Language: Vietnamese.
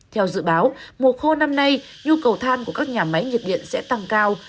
theo dự báo mùa khô năm nay nhu cầu than của các nhà máy nhiệt điện sẽ tăng cao